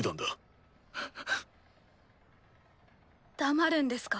黙るんですか？